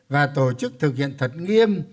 và tổ chức thực hiện thật nghiêm